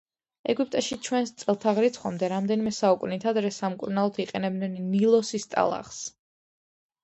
ეგვიპტეში ჩვენს წელთაღრიცხვამდე რამდენიმე საუკუნით ადრე სამკურნალოდ იყენებდნენ ნილოსის ტალახს.